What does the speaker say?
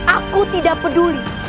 aku tidak peduli